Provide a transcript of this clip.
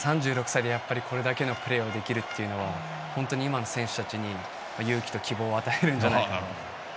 ３６歳でやっぱり、これだけのプレーができるというのは本当に、今の選手たちに勇気と希望を与えるんじゃないかな。